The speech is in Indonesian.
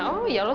oh ya allah